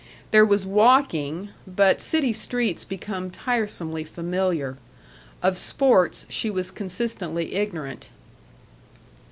There was walking but city streets become tiresomely familiar. Of sports she was consistently ignorant.